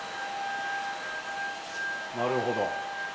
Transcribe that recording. なるほど。